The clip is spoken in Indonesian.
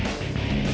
eh mbak be